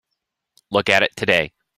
Look at it today.